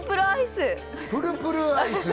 プルプルアイス！